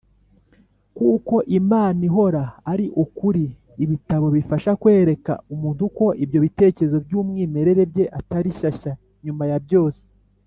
kuko imana ihora ari ukuri ibitabo bifasha kwereka umuntu ko ibyo bitekerezo byumwimerere bye atari shyashya nyuma ya byose.